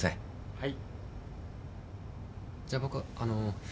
はい。